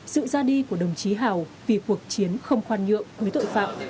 sự ra đi của đồng chí hào vì cuộc chiến không khoan nhượng với tội phạm